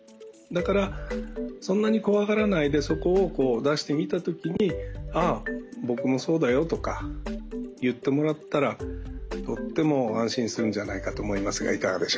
だからそんなに怖がらないでそこを出してみた時に「あ僕もそうだよ」とか言ってもらったらとっても安心するんじゃないかと思いますがいかがでしょうか？